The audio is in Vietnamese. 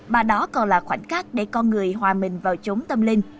mà đó còn là khoảnh khắc để con người hòa mình vào chống tâm linh